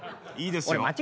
いいですよ。